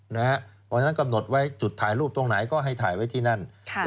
เพราะฉะนั้นกำหนดไว้จุดถ่ายรูปตรงไหนก็ให้ถ่ายไว้ที่นั่น